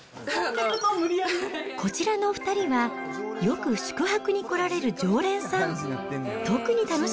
こちらの２人は、よく宿泊に来られる常連さん。